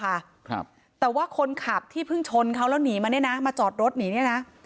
ครับแต่ว่าคนขับที่เพิ่งชนเขาแล้วหนีมาเนี้ยนะมาจอดรถหนีเนี้ยนะ